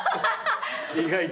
意外と。